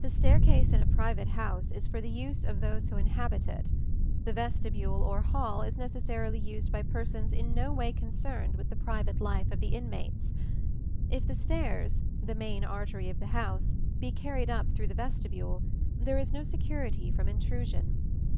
The staircase in a private house is for the use of those who inhabit it; the vestibule or hall is necessarily used by persons in no way concerned with the private life of the inmates. If the stairs, the main artery of the house, be carried up through the vestibule, there is no security from intrusion.